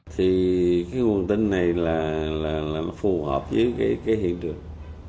thì cái nguồn tin này là nó phù hợp với cái hiện trường